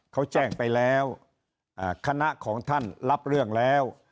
เขาแจ้งไปแล้วคณะของท่านรับเรื่องแล้ว